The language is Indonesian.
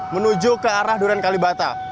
menuju ke arah duren kalibata